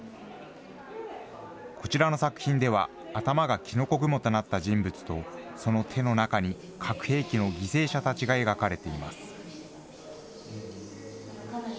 こちらの作品では、頭がキノコ雲となった人物と、その手の中に核兵器の犠牲者たちが描かれています。